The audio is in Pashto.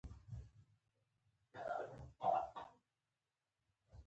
او نه چا ورته په قرض ورکړې.